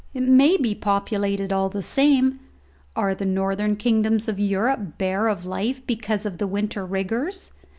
It may be populated all the same. Are the northern kingdoms of Europe bare of life because of the winter rigours?'